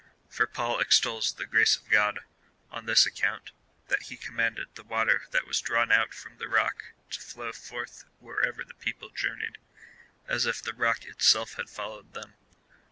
For Paul extols^ the grace of God, on this ac count, that he commanded the water that was drawn out from the rock to flow forth wherever the people journeyed, as if the rock itself had followed them.